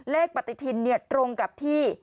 ปฏิทินตรงกับที่